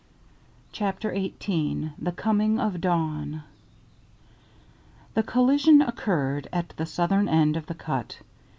CHAPTER XVIII THE COMING OF DAWN The collision occurred at the southern end of the cut.